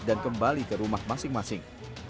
dan kembali ke rumah masing masing